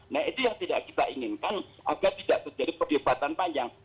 nah itu yang tidak kita inginkan agar tidak terjadi perdebatan panjang